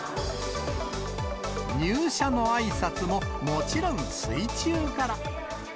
入社のあいさつも、もちろん水中から。